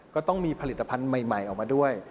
ก็ต้องมีผลิตภัณฑ์ใหม่ออกมาด้วย